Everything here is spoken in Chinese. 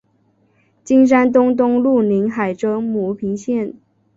金山东东路宁海州牟平县。